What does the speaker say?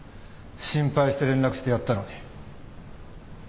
心配して連絡してやったのに。